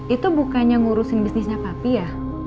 itu bukannya ngurusin bisnisnya tapi ya